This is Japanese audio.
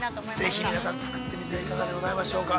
◆ぜひ皆さん、作ってみてはいかがでございましょうか。